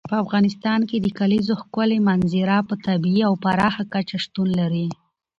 په افغانستان کې د کلیزو ښکلې منظره په طبیعي او پراخه کچه شتون لري.